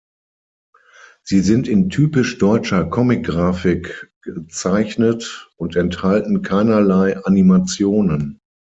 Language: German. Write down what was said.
Sie sind in „typisch deutscher“ Comic-Grafik gezeichnet und enthalten keinerlei Animationen.